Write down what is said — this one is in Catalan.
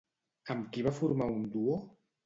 Amb qui va formar un duo?